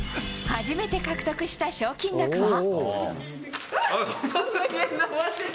初めて獲得した賞金額は。